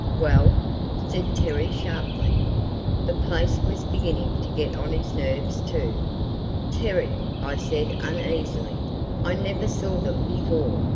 "Well?" said Terry sharply. The place was beginning to get on his nerves too. "Terry," I said uneasily, "I never saw them before.